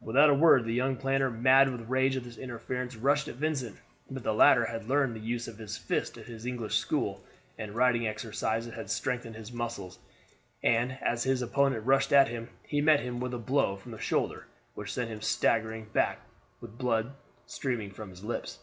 Without a word the young planter, mad with rage at this interference, rushed at Vincent; but the latter had learned the use of his fists at his English school, and riding exercises had strengthened his muscles, and as his opponent rushed at him, he met him with a blow from the shoulder which sent him staggering back with the blood streaming from his lips.